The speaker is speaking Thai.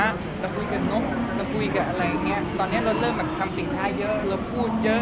เรากลับไปพูดกับต่อเต้คไปพูดกับนกไปพูดกับอะไรอย่างเงี้ยตอนเนี้ยเราเริ่มแบบทำสิงค้าเยอะเราพูดเยอะ